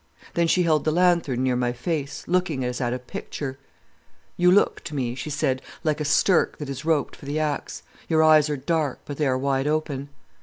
Then she held the lanthorn near my face, looking as at a picture. "'You look to me,' she said, 'like a stirk that is roped for the axe. Your eyes are dark, but they are wide open.